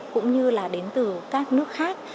cũng như là đến từ các nước khác